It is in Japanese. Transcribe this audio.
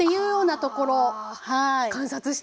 あ観察して。